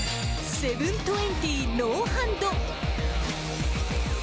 ７２０ノーハンド。